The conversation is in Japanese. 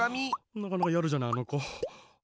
なかなかやるじゃないあのこ。